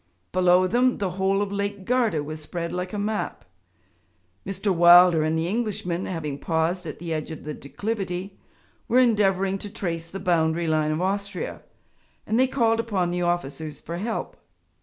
Below them the whole of Lake Garda was spread like a map. Mr. Wilder and the Englishman, having paused at the edge of the declivity, were endeavouring to trace the boundary line of Austria, and they called upon the officers for help.